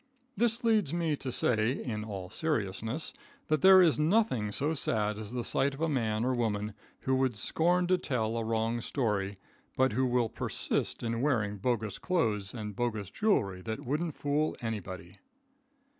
This leads me to say, in all seriousness, that there is nothing so sad as the sight of a man or woman who would scorn to tell a wrong story, but who will persist in wearing bogus clothes and bogus jewelry that wouldn't fool anybody.